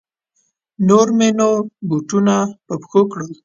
نور مې نو بوټونه په پښو کړل.